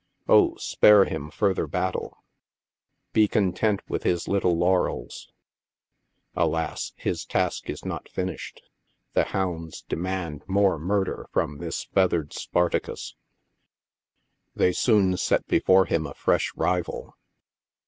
! spare him further battle ; be content with his little laurels ! Alas! his task is not finished; the hounds demand more murder from this feathered Sparta eus. They soon set before him a fresh rival.